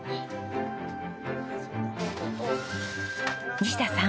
西田さん。